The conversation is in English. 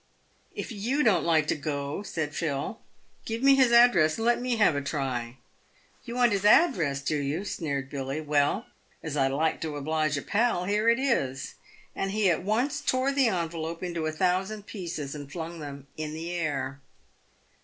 "If you don't like to go," said Phil, "give me his address and let me have a try." "You want his address — do you?" sneered Billy. "Well, as I like to oblige a pal, here it is ;" and he at once tore the envelope into a thousand pieces, and flung them in the air.